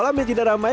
kolam yang tidak ramai